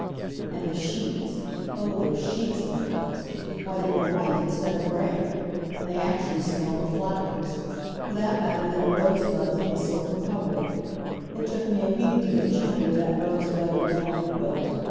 And the sheets. Oh, those sheets of Norah's! Why, they were white, instead of gray! And they actually smelled of flowers. For that matter, there were rosebuds on the silken coverlet. It took me a week to get chummy with that rosebud and down quilt.